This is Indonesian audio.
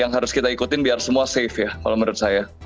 yang harus kita ikutin biar semua safe ya kalau menurut saya